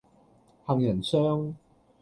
杏仁霜